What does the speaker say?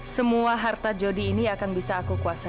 semua harta jodi ini akan bisa aku kuasai